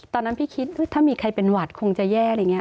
ตอนนั้นพี่คิดถ้ามีใครเป็นหวัดคงจะแย่อะไรอย่างนี้